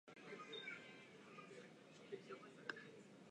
時を戻そう